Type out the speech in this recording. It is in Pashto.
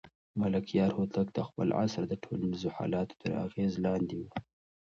ملکیار هوتک د خپل عصر د ټولنیزو حالاتو تر اغېز لاندې و.